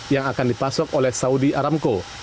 yang akan dipasok oleh saudi aramco